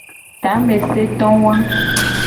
Tameseto wa.